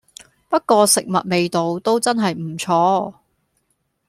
不過食物味道都真係唔錯